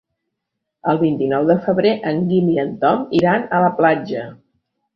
El vint-i-nou de febrer en Guim i en Tom iran a la platja.